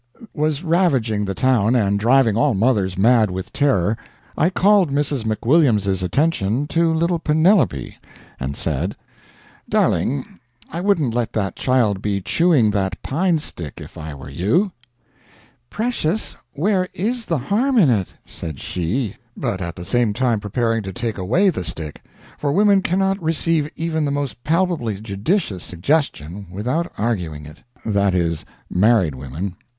] was ravaging the town and driving all mothers mad with terror, I called Mrs. McWilliams's attention to little Penelope, and said: "Darling, I wouldn't let that child be chewing that pine stick if I were you." "Precious, where is the harm in it?" said she, but at the same time preparing to take away the stick for women cannot receive even the most palpably judicious suggestion without arguing it; that is, married women.